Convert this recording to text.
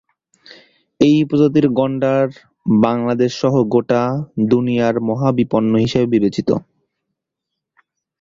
এই প্রজাতির গণ্ডার বাংলাদেশসহ গোটা দুনিয়ায় মহাবিপন্ন হিসেবে বিবেচিত।